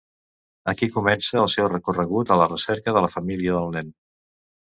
Aquí comença el seu recorregut, a la recerca de la família del nen.